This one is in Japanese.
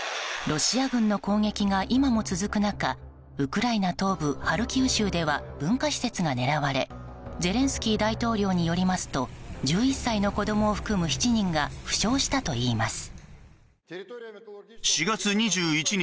ロシア軍の攻撃が今も続く中ウクライナ東部ハルキウ州では文化施設が狙われゼレンスキー大統領によりますと１１歳の子供含む７人が負傷したといいます。